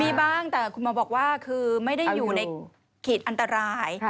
มีบ้างแต่คุณหมอบอกว่าคือไม่ได้อยู่ในขีดอันตราย